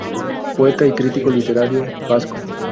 Poeta y crítico literario vasco.